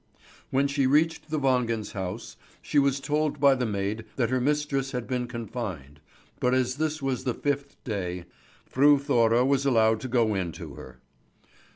When she reached the Wangens' house, she was told by the maid that her mistress had been confined; but as this was the fifth day, Fru Thora was allowed to go in to her.